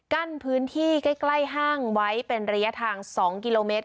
กั้นพื้นที่ใกล้ห้างไว้เป็นระยะทาง๒กิโลเมตร